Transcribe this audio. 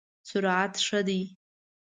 سرعت ښه دی؟